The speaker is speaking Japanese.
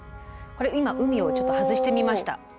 これ今海をちょっと外してみました。